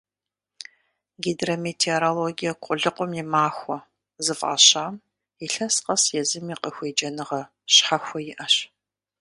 «Гидрометеорологие къулыкъум и махуэ» зыфӀащам илъэс къэс езым и къыхуеджэныгъэ щхьэхуэ иӀэщ.